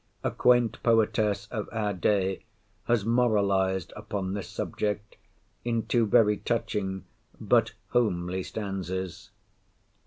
A quaint poetess of our day has moralised upon this subject in two very touching but homely stanzas.